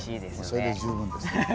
それで十分です。